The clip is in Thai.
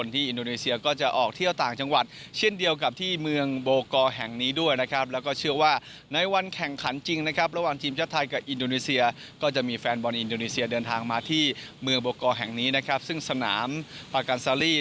ทางมาที่เมืองโบกอลแห่งนี้ซึ่งสนามภาคกันซาลี